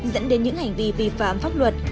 dẫn đến những hành vi vi phạm pháp luật